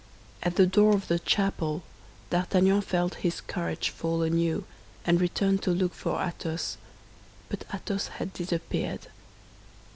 At the door of the chapel D'Artagnan felt his courage fall anew, and returned to look for Athos; but Athos had disappeared.